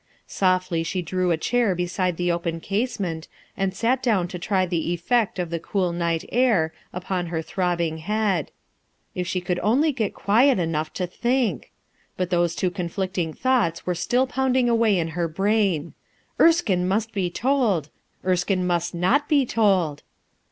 Softly she drew a chair beside the open casement and sat down to try the effect of the cool night air upon her throbbing bead. If she could only get quiet enough to 231 RUTII ERSKINE'S SOX think ! But those two conflicting thoughts wore still pounding away in her brain: "Krskinc must be told." "Erskine must not be told!"